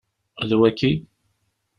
D waki?